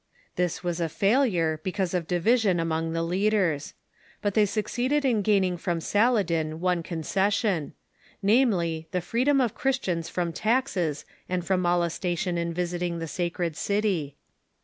This was a failure, because of division among the leaders. But they succeeded in gaining from Sala 170 THE MEDIEVAL CHURCH din one concession — namely, the freedom of Cliristians from taxes and from molestation in visiting the sacred city.